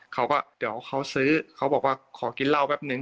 เขาก็เดี๋ยวเขาซื้อเขาบอกว่าขอกินเหล้าแป๊บนึง